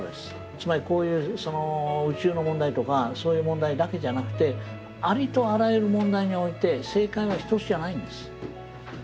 つまりこういう宇宙の問題とかそういう問題だけじゃなくてありとあらゆる問題において正解は一つじゃないんです。